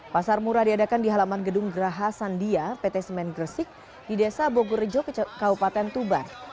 pasar murah diadakan di halaman gedung geraha sandia pt semen gresik di desa bogorjo kabupaten tuban